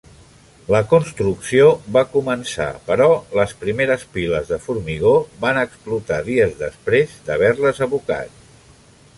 La construcció va començar, però les primeres piles de formigó van explotar dies després d'haver-les abocat.